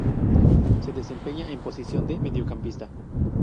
Se desempeñaba en posición de mediocampista.